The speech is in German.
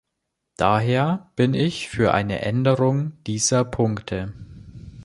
Daher bin ich für eine Änderung dieser Punkte.